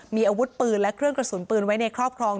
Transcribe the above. มีอาวุธปืนและเครื่องกระสุนปืนไว้ในครอบครอง